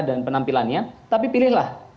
dan penampilannya tapi pilihlah